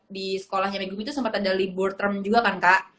di sekolahnya megumi itu sempat ada libur term juga kan kak